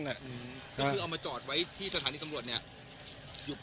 ก็คือเอามาจอดไว้ที่สถานีตำรวจเนี่ย